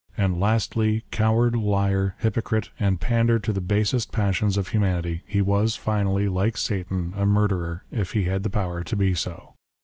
And lastly, coward, liar, hypocrite, and pander to the basest passions of humanity, he Avas finally, like Satan, a murderer if he had the power to be so.